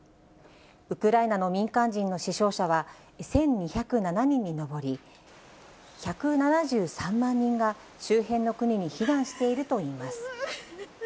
ウクライナの民間人の死傷者は１２０７人に上り、１７３万人が周辺の国に避難しているといいます。